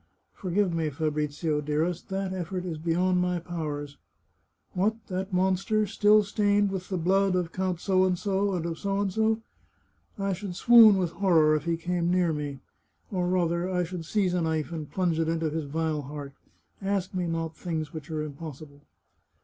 Forgive me, Fabrizio, dearest, that effort is be yond my powers. What! that monster! still stained with the blood of Count P and of D ? I should swoon with horror if he came near me, or, rather, I should seize a knife and plunge it into his vile heart. Ask me not things which are impossible